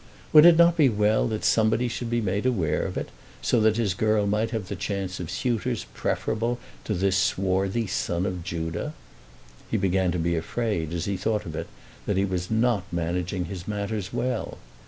Would it not be well that somebody should be made aware of it, so that his girl might have the chance of suitors preferable to this swarthy son of Judah? He began to be afraid, as he thought of it, that he was not managing his matters well.